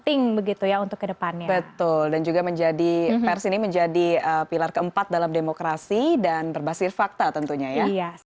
ini menjadi pilar keempat dalam demokrasi dan berbasir fakta tentunya ya